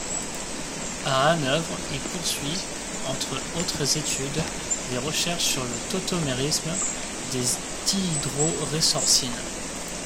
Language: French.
À Hanovre, il poursuit, entre autres études, des recherches sur le tautomérisme des dihydrorésorcines.